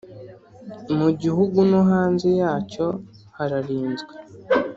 mu Gihugu no hanze yacyo hararinzwe